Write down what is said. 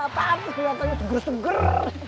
panuh luakanya seger seger